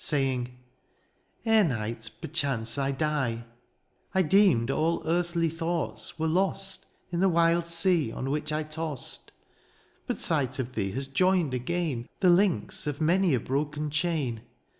Saying, " Ere night perchance I die. ^^ I deemed all earthly thoughts were lost ^^ In the wild sea on which I tost ;^^ But sight of thee has joined again ^^ The links of many a broken chain.